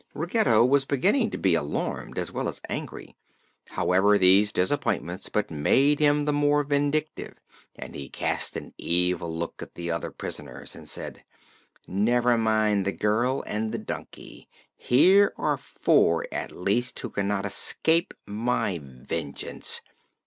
Ruggedo was beginning to be alarmed as well as angry. However, these disappointments but made him the more vindictive and he cast an evil look at the other prisoners and said: "Never mind the girl and the donkey. Here are four, at least, who cannot escape my vengeance.